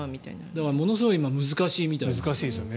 だからすごい今難しいみたいですね。